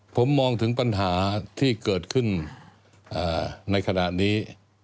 ผมมองถึงปัญหาที่เกิดขึ้นในขณะนี้